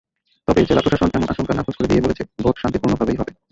তবে জেলা প্রশাসন এমন আশঙ্কা নাকচ করে দিয়ে বলেছে, ভোট শান্তিপূর্ণভাবেই হবে।